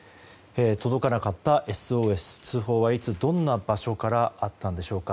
届かなかったＳＯＳ通報はいつどんな場所からあったんでしょうか。